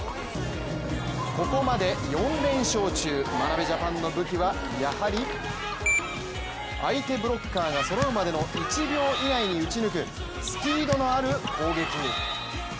ここまで４連勝中、眞鍋ジャパンの武器はやはり相手ブロッカーがそろうまでの１秒以内に打ち抜くスピードのある攻撃。